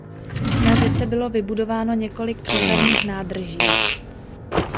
Na řece bylo vybudováno několik přehradních nádrží.